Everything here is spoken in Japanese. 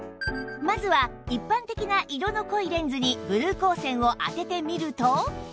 まずは一般的な色の濃いレンズにブルー光線を当ててみると